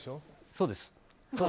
そうです。